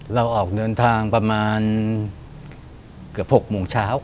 ออกเดินทางประมาณเกือบ๖โมงเช้า